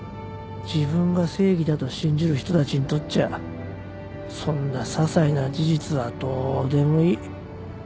自分が正義だと信じる人たちにとっちゃそんなささいな事実はどうでもいい。